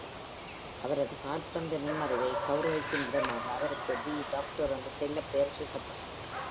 அவரது கால்பந்து நுண்ணறிவை கவுரவிக்கும் விதமாக அவருக்கு "தி டாக்டர்" என்று செல்லப்பெயர் சூட்டப்பட்டது.